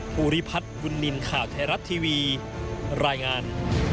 ภูริพัฒน์บุญนินทร์ข่าวไทยรัฐทีวีรายงาน